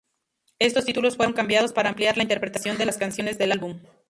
Estos títulos fueron cambiados para ampliar la interpretación de las canciones del álbum.